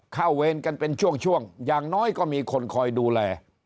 เวรกันเป็นช่วงอย่างน้อยก็มีคนคอยดูแล